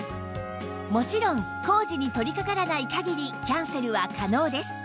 もちろん工事に取りかからない限りキャンセルは可能です